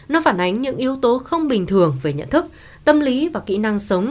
nó phản ánh những yếu tố không bình thường về nhận thức tâm lý và kỹ năng sống